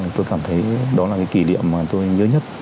tôi cảm thấy đó là cái kỷ niệm mà tôi nhớ nhất